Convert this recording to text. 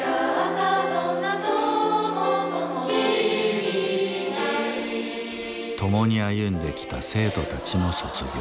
「君に」共に歩んできた生徒たちの卒業。